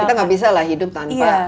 kita nggak bisa lah hidup tanpa